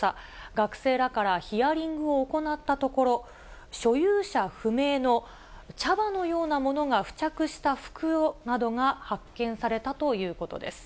学生らからヒアリングを行ったところ、所有者不明の茶葉のようなものが付着した袋などが発見されたということです。